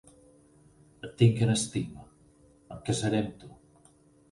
Et tinc en estima. Em casaré amb tu.